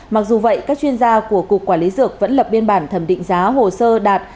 mặc dù vậy các chuyên gia của cục quản lý dược vẫn lập biên bản thẩm định giá hồ sơ đạt